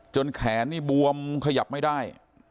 แขนนี่บวมขยับไม่ได้